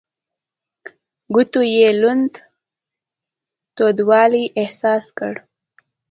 ګوتو يې لوند تودوالی احساس کړ.